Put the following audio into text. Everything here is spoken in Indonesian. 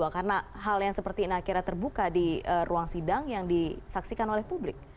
karena hal yang seperti ini akhirnya terbuka di ruang sidang yang disaksikan oleh publik